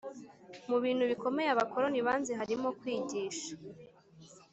Mu bintu bikomeye abakoloni bazanye harimo kwigisha